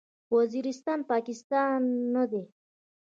وزیرستان، پاکستان نه دی.